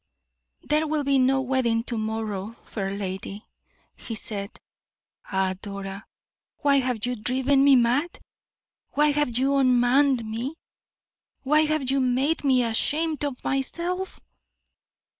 "There will be no wedding to morrow, fair lady," he said. "Ah, Dora, why have you driven me mad? why have you unmanned me? why have you made me ashamed of myself?"